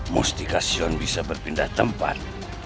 mustikasi on bisa berpindah tempat